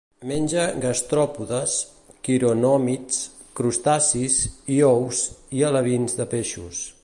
Menja gastròpodes, quironòmids, crustacis i ous i alevins de peixos.